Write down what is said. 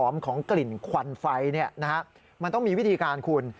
มันต้องมีวิธีการคุณ